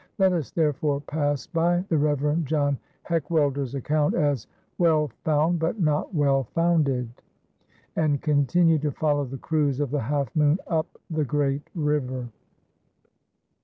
Let us therefore pass by the Reverend John Heckwelder's account as "well found, but not well founded," and continue to follow the cruise of the Half Moon up the great river.